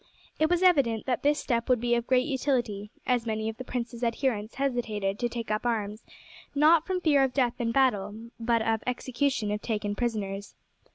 It was evident that this step would be of great utility, as many of the prince's adherents hesitated to take up arms, not from fear of death in battle, but of execution if taken prisoners.